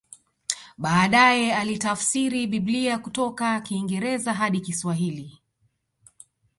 Baadae alitafsiri Biblia kutoka Kiingereza hadi Kiswahili